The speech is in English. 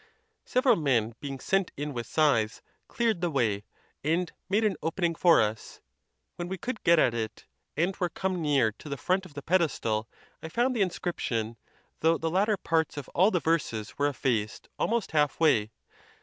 Several men, being sent in with seythes, cleared the way, and made an opening for us. When we could get at it, and were come near to the front of the pedestal, I found the inscription, though the latter parts of all the verses were effaced al most half away.